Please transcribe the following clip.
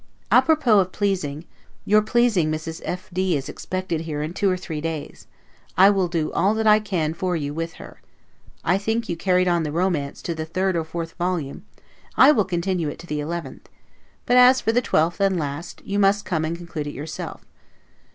'A propos' of pleasing, your pleasing Mrs. F d is expected here in two or three days; I will do all that I can for you with her: I think you carried on the romance to the third or fourth volume; I will continue it to the eleventh; but as for the twelfth and last, you must come and conclude it yourself.